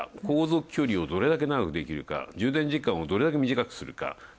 航続距離をどれだけ長くできるか充電時間をどれだけ短くするか。